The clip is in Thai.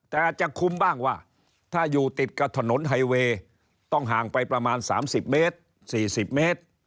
แต่จะคุ้มบ้างว่าถ้าอยู่ติดกับถนนไฮเวย์ต้องห่างไปประมาณ๓๐เมตร๔๐เมตร